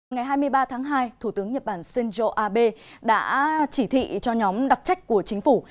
ngày hai mươi ba tháng hai thủ tướng nhật bản shinzo abe đã chỉ thị cho nhóm đặc trách của chính phủ